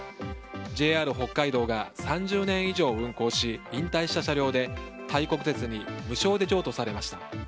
ＪＲ北海道が３０年以上運行し引退した車両でタイ国鉄に無償で譲渡されました。